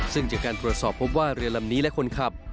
ซึ่งจากการตรวจสอบพบว่าเรือลำนี้และคนขับ